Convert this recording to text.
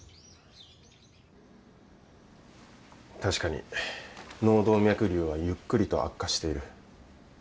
確かに脳動脈瘤はゆっくりと悪化している。